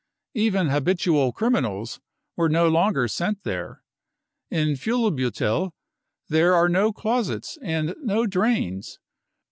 Even habitual criminals were no longer sent there. In Fuhlbuttel there are no closets and no drains.